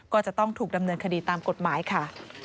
ก็จะต้องถูกดำเนินคดีตามกฎหมายค่ะ